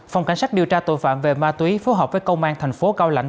phòng cảnh sát điều tra tội phạm về ma túy phối hợp với công an thành phố cao lạnh